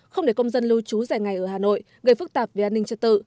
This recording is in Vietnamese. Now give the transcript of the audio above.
không để công dân lưu trú rẻ ngày ở hà nội gây phức tạp về an ninh trật tự